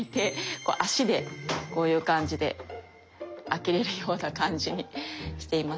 足でこういう感じで開けれるような感じにしています。